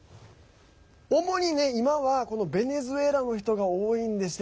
主にね、今はベネズエラの人が多いんです。